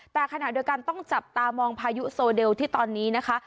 แต่ขณะเดียวกันต้องจับตามองพายุโซเดลที่ตอนนี้นะคะ